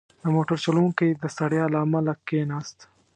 • د موټر چلوونکی د ستړیا له امله کښېناست.